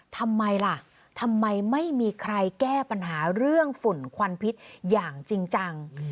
ทำไมล่ะทำไมไม่มีใครแก้ปัญหาเรื่องฝุ่นควันพิษอย่างจริงจัง